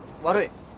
悪い。